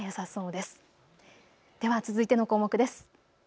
では続いての項目です。